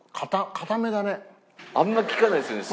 あんま聞かないですよね